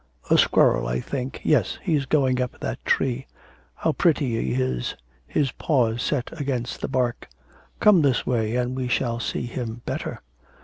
'A squirrel, I think... yes, he's going up that tree.' 'How pretty he is, his paws set against the bark.' 'Come this way and we shall see him better.'